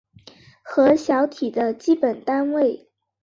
核小体的基本单位。